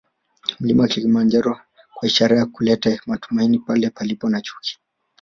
Mlima Kilimanjaro kwa ishara ya kuleta matumaini pale palipo na chuki